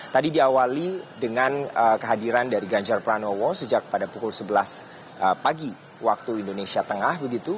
tadi diawali dengan kehadiran dari ganjar pranowo sejak pada pukul sebelas pagi waktu indonesia tengah